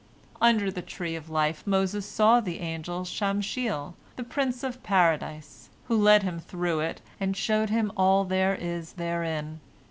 Under the tree of life Moses saw the angel Shamshiel, the prince of Paradise, who led him through it, and showed him all there is therein.